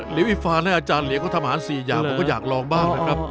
อีฟานให้อาจารย์เหลียงเขาทำอาหาร๔อย่างผมก็อยากลองบ้างนะครับ